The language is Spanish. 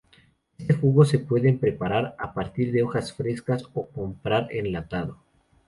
Este jugo se pueden preparar a partir de hojas frescas o comprar enlatado.